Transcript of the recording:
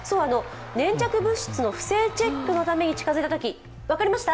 粘着物質の不正チェックのために近づいたとき分かりました？